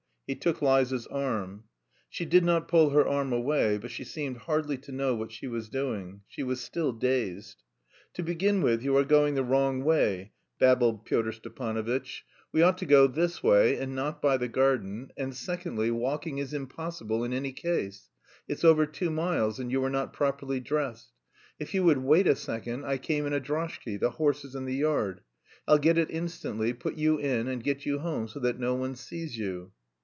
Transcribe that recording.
He took Liza's arm. She did not pull her arm away, but she seemed hardly to know what she was doing; she was still dazed. "To begin with, you are going the wrong way," babbled Pyotr Stepanovitch. "We ought to go this way, and not by the garden, and, secondly, walking is impossible in any case. It's over two miles, and you are not properly dressed. If you would wait a second, I came in a droshky; the horse is in the yard. I'll get it instantly, put you in, and get you home so that no one sees you."